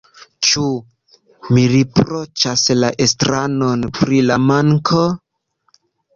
Ĉu mi riproĉas la estraron pri la manko?